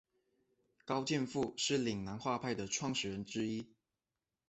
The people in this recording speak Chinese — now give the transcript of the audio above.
高剑父是岭南画派的创始人之一。